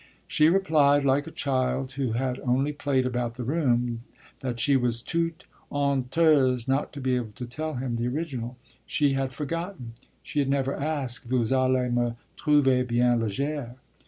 She replied, like a child who had only played about the room, that she was toute honteuse not to be able to tell him the original: she had forgotten, she had never asked "Vous allez me trouver bien légère!"